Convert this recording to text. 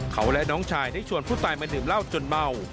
เขาและน้องชายได้ชวนผู้ตายมาดื่มเหล้าจนเมา